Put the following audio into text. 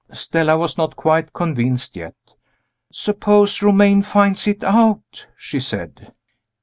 Stella was not quite convinced yet. "Suppose Romayne finds it out?" she said.